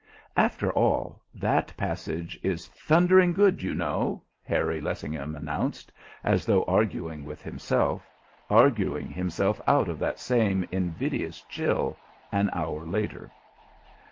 "After all, that passage is thundering good, you know," Harry Lessingham announced, as though arguing with himself, arguing himself out of that same invidious chill, an hour later.